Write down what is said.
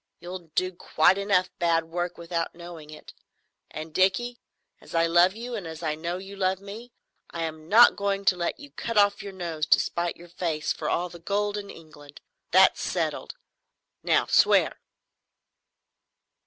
You'll do quite enough bad work without knowing it. And, Dickie, as I love you and as I know you love me, I am not going to let you cut off your nose to spite your face for all the gold in England. That's settled. Now swear."